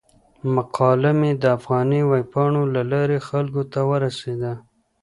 مقاله مې د افغاني ویبپاڼو له لارې خلکو ته ورسیده.